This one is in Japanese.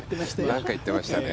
なんか言ってましたね。